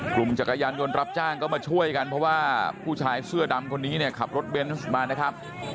จักรยานยนต์รับจ้างก็มาช่วยกันเพราะว่าผู้ชายเสื้อดำคนนี้เนี่ยขับรถเบนส์มานะครับ